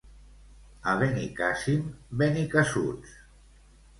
A Benicàssim, benicassuts.